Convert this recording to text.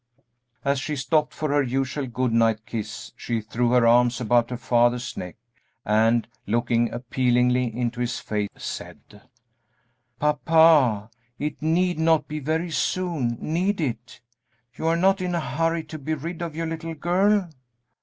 As she stopped for her usual good night kiss she threw her arms about her father's neck, and, looking appealingly into his face, said, "Papa, it need not be very soon, need it? You are not in a hurry to be rid of your little girl?"